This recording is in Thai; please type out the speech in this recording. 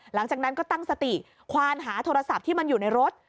หลังจากนั้นก็ตั้งสติควานหาโทรศัพท์ที่มันอยู่ในรถ